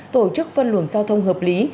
tổ chức phân luận giao thông hợp lý